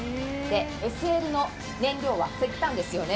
ＳＬの燃料は石炭ですよね。